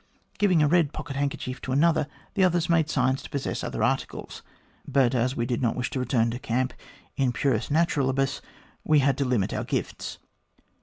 Giving a red pocket handkerchief to another, the others made signs to possess other articles ; but as we did not wish to return to camp in puris naturalibtis, we had to limit our gifts.